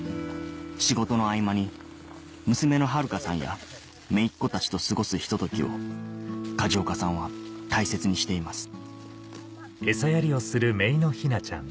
仕事の合間に娘の春花さんやめいっ子たちと過ごすひと時を梶岡さんは大切にしています